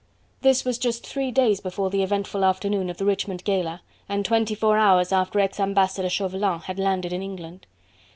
This was just three days before the eventful afternoon of the Richmond Gala, and twenty four hours after ex Ambassador Chauvelin had landed in England.